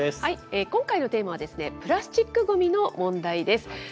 今回のテーマは、プラスチックごみの問題です。